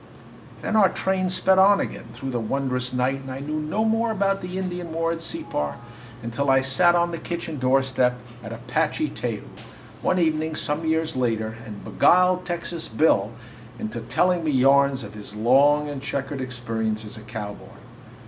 Then our train sped on again through the wondrous night, and I knew no more about the Indian war at Separ until I sat on the kitchen doorstep at Apache Teju, one evening some years later, and beguiled Texas Bill into telling me yarns of his long and checkered experience as a cowboy.